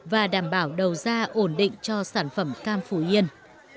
và đảm bảo đầu ra ổn định cho sản phẩm cam phù yên